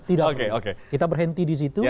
tidak kita berhenti di situ